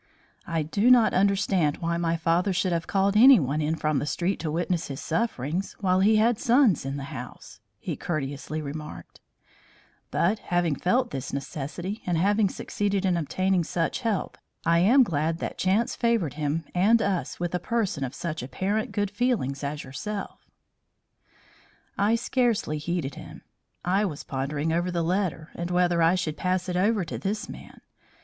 "I do not understand why my father should have called anyone in from the street to witness his sufferings while he had sons in the house," he courteously remarked; "but having felt this necessity and having succeeded in obtaining such help, I am glad that chance favoured him and us with a person of such apparent good feeling as yourself." I scarcely heeded him. I was pondering over the letter and whether I should pass it over to this man.